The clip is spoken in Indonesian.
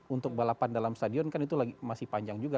untuk balapan dalam stadion kan itu masih panjang juga